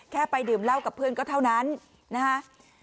ไปดื่มเหล้ากับเพื่อนก็เท่านั้นนะฮะ